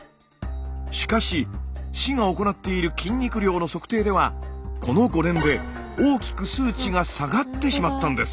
しかし市が行っている筋肉量の測定ではこの５年で大きく数値が下がってしまったんです。